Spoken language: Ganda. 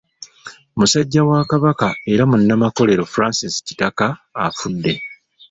Musajja wa Kabaka era munnamakolero Francis Kitaka afudde.